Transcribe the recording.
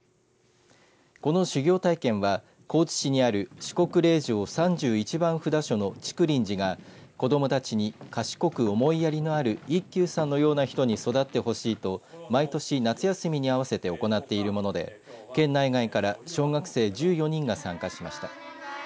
この修行体験は高知市にある四国霊場３１番札所の竹林寺が子どもたちに賢く思いやりのある一休さんのような人に育ってほしいと毎年、夏休みに合わせて行っているもので県内外から小学生１４人が参加しました。